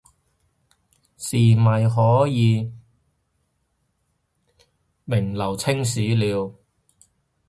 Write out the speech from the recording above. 是咪可以名留青史了